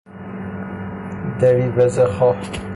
دریوزه خواه